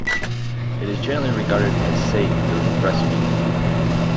It is generally regarded as safe during breastfeeding.